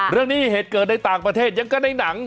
เรื่องนี้เหตุเกิดในต่างประเทศยังก็ในหนัง